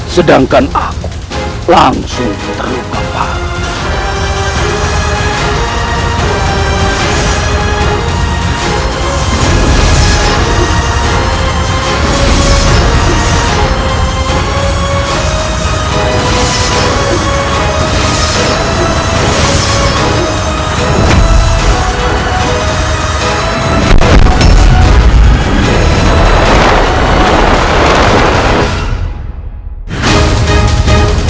sedangkan aku langsung terluka parah